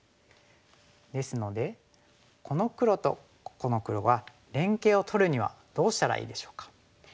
ですのでこの黒とこの黒は連携をとるにはどうしたらいいでしょうか。